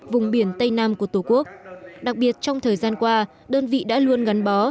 vùng biển tây nam của tổ quốc đặc biệt trong thời gian qua đơn vị đã luôn gắn bó